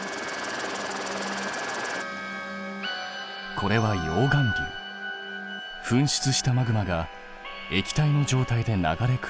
これは噴出したマグマが液体の状態で流れ下る。